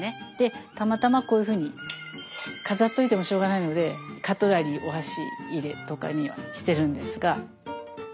たまたまこういうふうに飾っておいてもしょうがないのでカトラリーお箸入れとかにはしてるんですが。